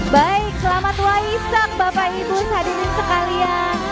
baik selamat waisak bapak ibu hadirin sekalian